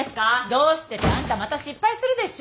どうしてってあんたまた失敗するでしょ？